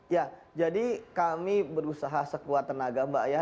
ya jadi kami berusaha sekuat tenaga mbak ya